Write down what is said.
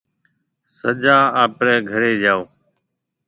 سجا آپرَي گھريَ جائو۔